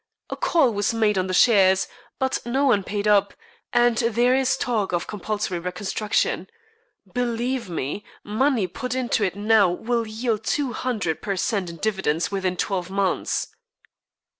A call was made on the shares, but no one paid up, and there is a talk of compulsory reconstruction. Believe me, money put into it now will yield two hundred per cent in dividends within twelve months."